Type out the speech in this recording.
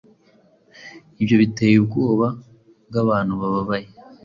Ibyo biteye ubwoba byabantu-bababaye